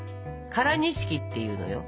「唐錦」っていうのよ。